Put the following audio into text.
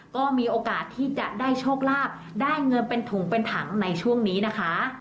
ก็มีโอกาสที่จะได้โชคลาภได้เงินเป็นถุงเป็นถังในช่วงนี้นะคะ